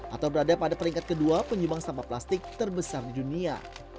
atau berada pada peringkat kedua penyumbang sampah plastik terbesar di dunia